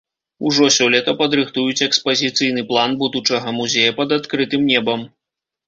Ужо сёлета падрыхтуюць экспазіцыйны план будучага музея пад адкрытым небам.